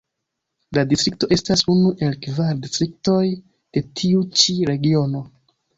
La distrikto estas unu el kvar distriktoj de tiu ĉi regiono.